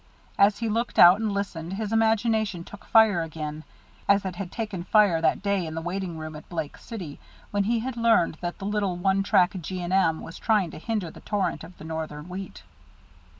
As he looked out and listened, his imagination took fire again, as it had taken fire that day in the waiting room at Blake City, when he had learned that the little, one track G. & M. was trying to hinder the torrent of the Northern wheat.